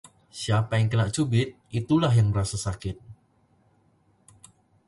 Siapa yang kena cubit, itulah yang merasa sakit